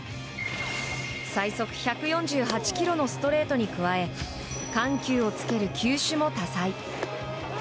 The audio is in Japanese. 最速１４８キロのストレートに加え緩急をつける球種も多彩。